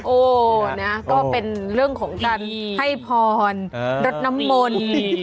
โอ้นะก็เป็นเรื่องของการให้พรรดน้ำมนต์